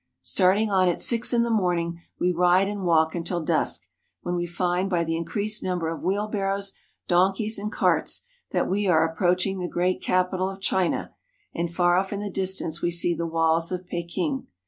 Starting on at six in the morning we ride and walk until dusk, when we find by the increased number of wheelbar rows, donkeys, and carts that we are approaching the great capital of China, and far off in the distance we see the walls of Peking.